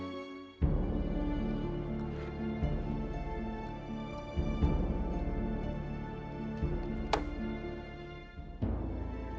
jangan j arg